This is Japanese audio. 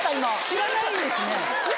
知らないですね。